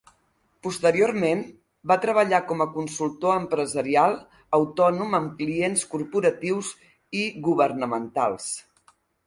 Posteriorment, va treballar com a consultor empresarial autònom amb clients corporatius i governamentals.